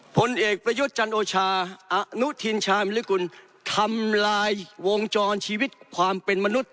ผลเอกประยุทธ์จันโอชาอนุทินชามิลิกุลทำลายวงจรชีวิตความเป็นมนุษย